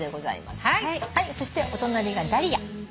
そしてお隣がダリア。